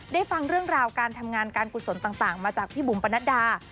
ฟังเรื่องราวการทำงานการกุศลต่างมาจากพี่บุ๋มปนัดดา